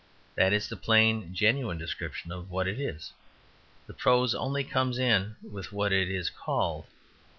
That is the plain, genuine description of what it is; the prose only comes in with what it is called.